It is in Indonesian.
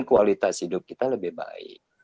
kualitas hidup kita lebih baik